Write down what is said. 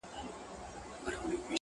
اوس لا د گرانښت څو ټكي پـاتــه دي!!